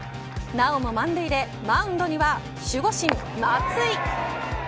なおも満塁でマウンドには守護神、松井。